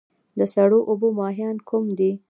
د سړو اوبو ماهیان کوم دي؟